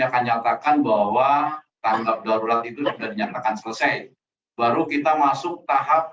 akan nyatakan bahwa tanggap darurat itu sudah dinyatakan selesai baru kita masuk tahap